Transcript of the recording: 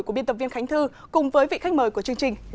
của biên tập viên khánh thư cùng với vị khách mời của chương trình